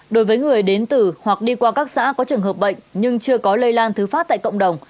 đối với người đến từ hoặc đi qua các xã có trường hợp bệnh nhưng chưa có lây lan thứ phát tại cộng đồng